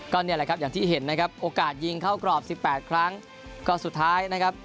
ก็นี่แหละครับอย่างที่เห็นนะครับโอกาสยิงเข้ากรอบสิบแปดครั้งก็สุดท้ายนะครับ